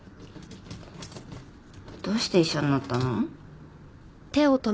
どうして医者になったの？